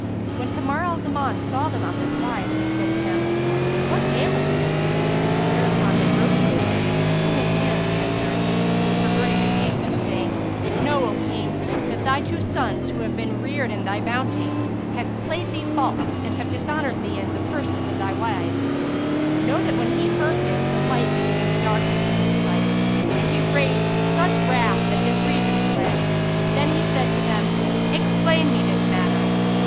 When Kamar al Zaman saw them on this wise, he said to them, "What aileth you?" Whereupon they rose to him and kissing his hands answered, perverting the case and saying "Know, O King, that thy two sons, who have been reared in thy bounty, have played thee false and have dishonoured thee in the persons of thy wives." Now when he heard this, the light became darkness in his sight, and he raged with such wrath that his reason fled: then said he to them, "Explain me this matter."